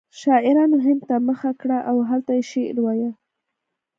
شاعرانو هند ته مخه کړه او هلته یې شعر وایه